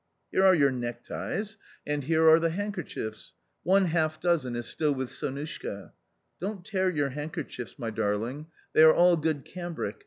Here are your neckties, and 12 A COMMON STORY here are the handkerchiefs ; one half dozen is still with Sonushka. Don't tear your handkerchiefs, my darling; they are all good cambric.